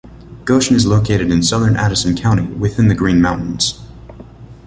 Goshen is located in southern Addison County, within the Green Mountains.